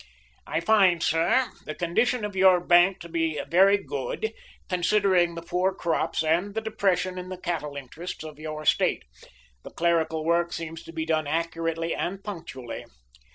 "I find, sir, the condition of your bank to be very good, considering the poor crops and the depression in the cattle interests of your state. The clerical work seems to be done accurately and punctually.